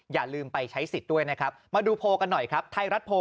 อย่าลืมไปใช้สิทธิ์ด้วยนะครับมาดูโพลกันหน่อยครับไทยรัฐโพล